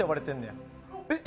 えっ？